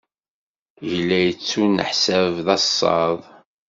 Yella yettuneḥsab d asaḍ.